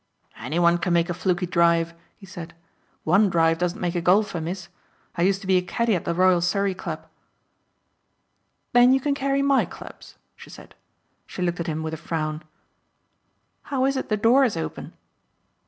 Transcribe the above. "Anyone can make a fluky drive," he said, "one drive doesn't make a golfer, Miss. I used to be a caddie at the Royal Surrey Club." "Then you can carry my clubs," she said. She looked at him with a frown. "How is it the door is open?"